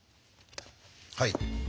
はい。